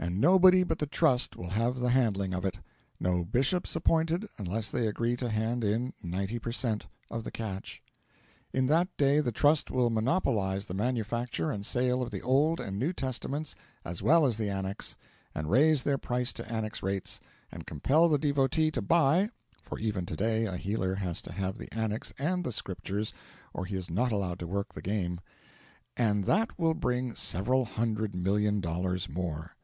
And nobody but the Trust will have the handling of it. No Bishops appointed unless they agree to hand in 90 per cent. of the catch. In that day the Trust will monopolise the manufacture and sale of the Old and New Testaments as well as the Annex, and raise their price to Annex rates, and compel the devotee to buy (for even to day a healer has to have the Annex and the Scriptures or he is not allowed to work the game), and that will bring several hundred million dollars more.